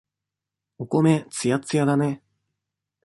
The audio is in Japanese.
お米、つやっつやだね。